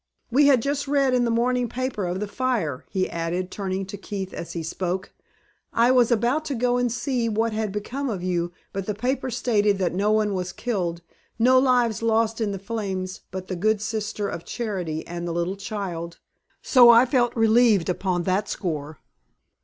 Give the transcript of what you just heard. We had just read in the morning paper of the fire," he added, turning to Keith as he spoke. "I was about to go and see what had become of you; but the paper stated that no one was killed; no lives lost in the flames but the good Sister of Charity and the little child; so I felt relieved upon that score.